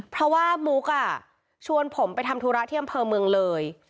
เพราะว่ามุกชวนผมไปทำธุระที่อำเภอเมืองเลย